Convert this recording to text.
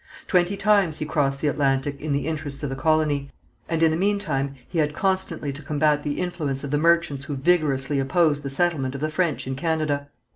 Twenty times he crossed the Atlantic in the interests of the colony, and in the meantime he had constantly to combat the influence of the merchants who vigorously opposed the settlement of the French in Canada.